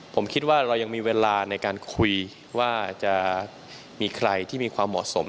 ผมคิดว่าเรายังมีเวลาในการคุยว่าจะมีใครที่มีความเหมาะสม